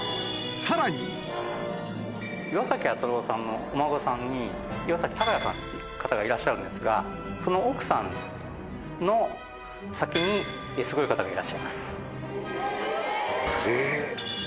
岩崎彌太郎さんのお孫さんに岩崎隆弥さんという方がいらっしゃるんですがその奥さんの先にすごい方がいらっしゃいます。